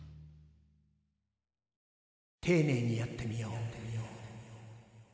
ていねいにやってみよう。